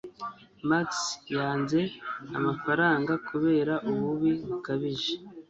Max yanze amafaranga kubera ububi bukabije